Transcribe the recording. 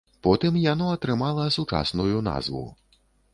Потым яно атрымала сучасную назву.